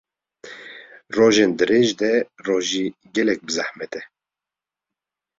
rojên dirêj de rojî gelek bi zehmet e